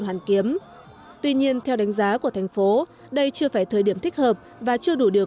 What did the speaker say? hàn kiếm tuy nhiên theo đánh giá của thành phố đây chưa phải thời điểm thích hợp và chưa đủ điều